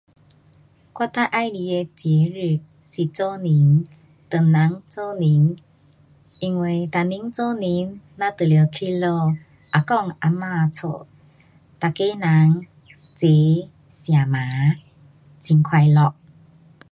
我最喜欢的节日是做年，唐人做年。因为每年做年，咱就得回家阿公阿嫲家。每个人齐吃饭，很快乐。